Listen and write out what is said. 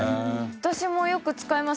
私もよく使います。